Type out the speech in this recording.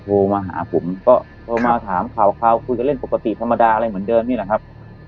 โทรมาหาผมก็โทรมาถามข่าวคุยกันเล่นปกติธรรมดาอะไรเหมือนเดิมนี่แหละครับ